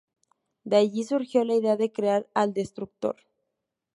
De allí surgió la idea de crear al Destructor.